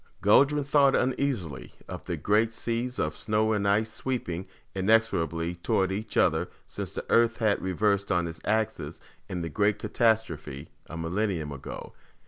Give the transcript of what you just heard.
Guldran thought uneasily of the great seas of snow and ice sweeping inexorably toward each other since the Earth had reversed on its axis in the great catastrophe a millennium ago.